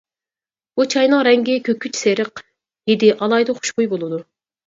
بۇ چاينىڭ رەڭگى كۆكۈچ سېرىق ھىدى ئالاھىدە خۇشبۇي بولىدۇ.